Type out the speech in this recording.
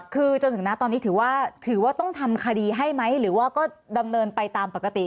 คือจนถึงนะตอนนี้ถือว่าถือว่าต้องทำคดีให้ไหมหรือว่าก็ดำเนินไปตามปกติ